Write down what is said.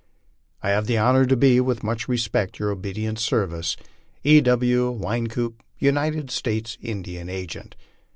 I have the honor to be, with much respect, your obedient servant, E. W. WYNKOOP, United States Indian Agent.